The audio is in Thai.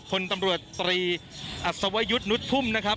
คนตำรวจตรีอัศวยุทธ์นุษย์ทุ่มนะครับ